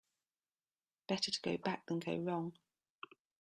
Better to go back than go wrong.